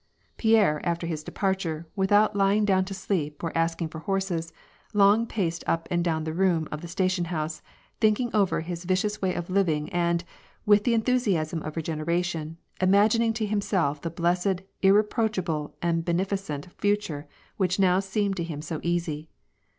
Pierre, after his departure, with out lying down to sleep, or asking for horses, long paced up and down the room of the station house, thinking over his vi eioQS way of living, and, with the enthusiasm of regeneration, imagining to himself the blessed, irreproachable, and beneficent future which now seemed to him so easy.